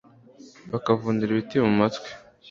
bakavunira ibiti mu matwi